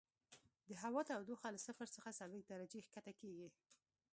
د هوا تودوخه له صفر څخه څلوېښت درجې ښکته کیږي